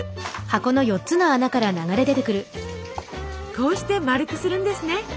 こうしてまるくするんですね。